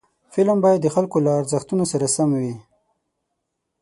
فلم باید د خلکو له ارزښتونو سره سم وي